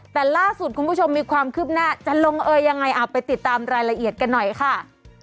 แต่ล่าสุดคุณผู้ชมมีความคืบหน้าจะลงเอยยังไงเอาไปติดตามรายละเอียดกันหน่อยค่ะ